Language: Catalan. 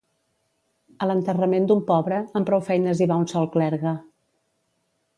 A l'enterrament d'un pobre, amb prou feines hi va un sol clergue.